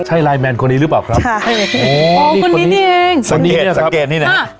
ใช่ไลน์แมนคนนี้หรือเปล่าครับค่ะโอ้นี่คนนี้เองสังเกตสังเกตนี่นะฮะ